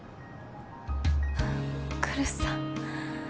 来栖さん。